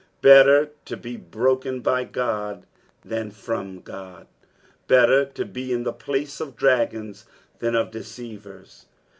Better tu be broken bj God than from God. Better to be in the place of dragons than of deceivers.